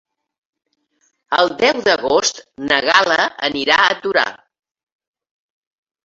El deu d'agost na Gal·la anirà a Torà.